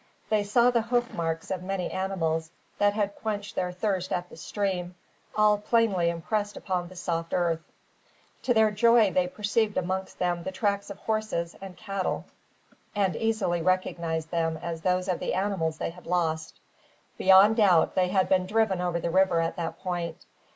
They saw the hoof marks of many animals that had quenched their thirst at the stream, all plainly impressed upon the soft earth. To their joy they perceived amongst them the tracks of horses and cattle, and easily recognised them as those of the animals they had lost. Beyond doubt they had been driven over the river at that point.